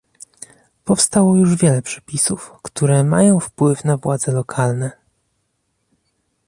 Powstało już wiele przepisów, które mają wpływ na władze lokalne